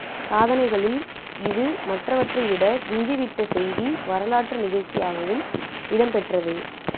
சாதனைகளில் இது மற்றவற்றை விட விஞ்சி விட்ட செய்தி, வரலாற்று நிகழ்ச்சியாகவும் இடம் பெற்றது.